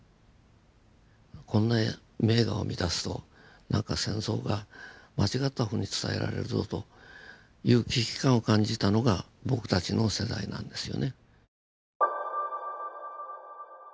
こんな名画を見だすとなんか戦争が間違ったふうに伝えられるぞという危機感を感じたのが僕たちの世代なんですよね。